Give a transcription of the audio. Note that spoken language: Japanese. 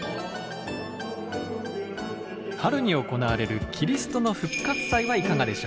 春に行われるキリストの復活祭はいかがでしょうか？